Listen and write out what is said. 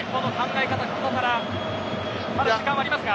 ここからまだ時間はありますが。